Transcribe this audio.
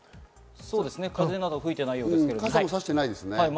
風などは吹いていないようですけれども。